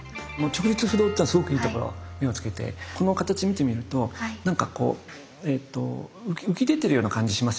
直立不動っていうのはすごくいいところ目をつけてこの形見てみると何かこう浮き出てるような感じしますよね。